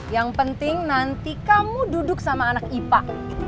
yang penting nanti kamu duduk sama anak ipa